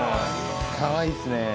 かわいいっすね。